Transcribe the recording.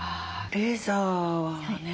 レーザーはね